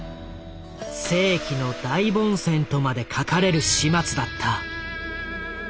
「世紀の大凡戦」とまで書かれる始末だった。